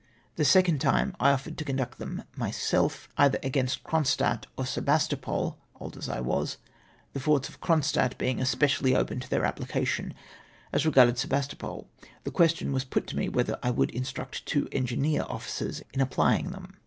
'' The second time I offered to conduct them myself^ either against Cronstadt or Sebas topol — old as I w^as — the forts of Cronstadt being especially open to their apphcation. As regarded Sebastopol, the qnestion was put to me whether I would instruct two engineer ofiicers in applying them?